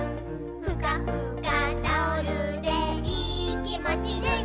「ふかふかタオルでいーきもちルンルン」